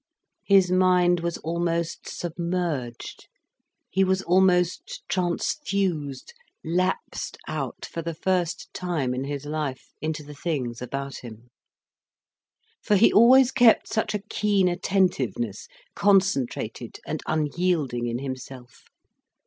His mind was almost submerged, he was almost transfused, lapsed out for the first time in his life, into the things about him. For he always kept such a keen attentiveness, concentrated and unyielding in himself.